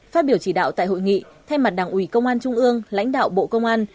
phát biểu chỉ đạo tại hội nghị thay mặt đảng ủy công an trung ương lãnh đạo bộ công an